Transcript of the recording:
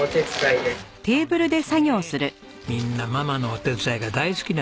みんなママのお手伝いが大好きなんです。